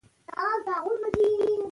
نثر د فکر بیان دی.